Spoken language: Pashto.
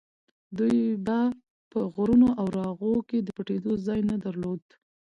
دوی به په غرونو او راغو کې د پټېدو ځای نه درلود.